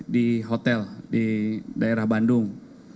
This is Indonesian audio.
di hotel di daerah bandung